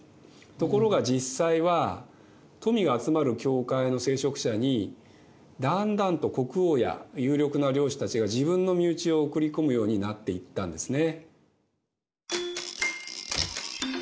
ところが実際は富が集まる教会の聖職者にだんだんと国王や有力な領主たちが自分の身内を送り込むようになっていったんですね。